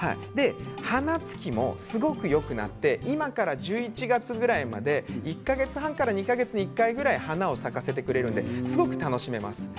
花つきもすごくよくなって今から１１月ぐらいまで１か月半から２か月に１回ぐらい花を咲かせてくれるのですごく楽しめます。